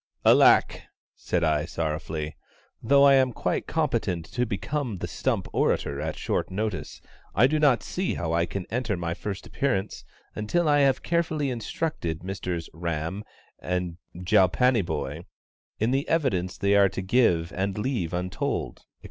"Alack," said I, sorrowfully; "though I am quite competent to become the stump orator at shortest notice, I do not see how I can enter my first appearance until I have carefully instructed Misters RAM and JALPANYBHOY in the evidence they are to give and leave untold, &c.